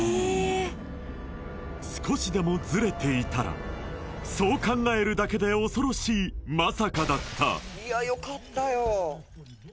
少しでもズレていたらそう考えるだけで恐ろしいまさかだった・いやよかったよ